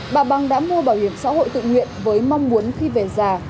bà băng đã mua bảo hiểm xã hội tự nguyện với mong muốn khi về già